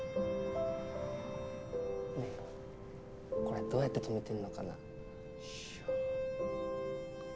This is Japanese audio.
これどうやってとめてんのかな。